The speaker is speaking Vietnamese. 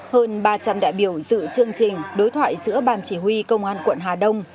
hơn ba trăm linh đại biểu dự chương trình đối thoại giữa ban chỉ huy công an quận hà đông